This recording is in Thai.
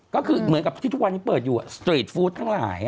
ก็คือเหมือนกับที่ทุกวันนี้เปิดอยู่สตรีทฟู้ดทั้งหลาย